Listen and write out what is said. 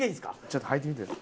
ちょっと履いてみて。